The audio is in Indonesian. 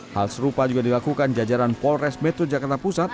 hal serupa juga dilakukan jajaran polres metro jakarta pusat